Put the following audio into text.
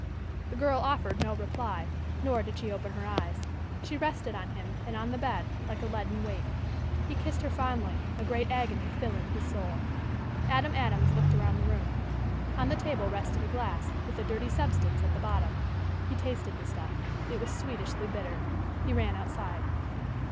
The girl offered no reply, nor did she open her eyes. She rested on him and on the bed like a leaden weight. He kissed her fondly, a great agony filling his soul. Adam Adams looked around the room. On the table rested a glass, with a dirty substance at the bottom. He tasted the stuff. It was sweetishly bitter. He ran outside.